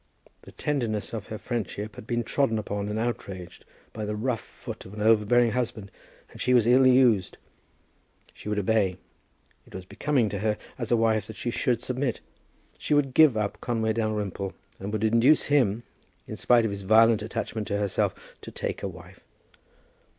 The tenderness of her friendship had been trodden upon and outraged by the rough foot of an overbearing husband, and she was ill used. She would obey. It was becoming to her as a wife that she should submit. She would give up Conway Dalrymple, and would induce him, in spite of his violent attachment to herself, to take a wife.